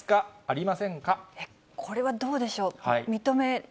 あこれはどうでしょう。